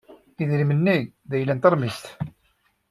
Idrimen-nni d ayla n teṛmist.